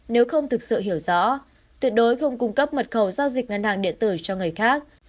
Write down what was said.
nếu không thực sự hiểu rõ tuyệt đối không cung cấp mật khẩu giao dịch ngân hàng điện tử cho người khác